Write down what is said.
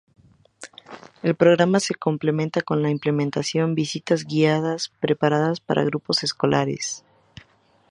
El programa se complementa con la implementación visitas guiadas preparadas para grupos escolares.